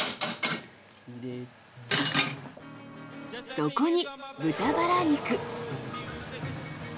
そこに豚バラ肉。